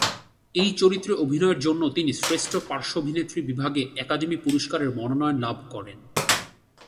এই চরিত্রে অভিনয়ের জন্য তিনি শ্রেষ্ঠ পার্শ্ব অভিনেত্রী বিভাগে একাডেমি পুরস্কারের মনোনয়ন লাভ করেন।